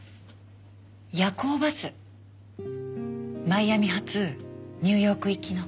マイアミ発ニューヨーク行きの。